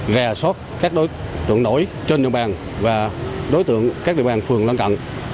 gà sót các đối tượng nổi trên địa bàn và đối tượng các địa bàn phường lân cận